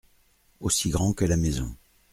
Aussi grand que la maison.